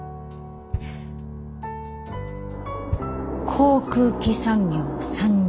航空機産業参入。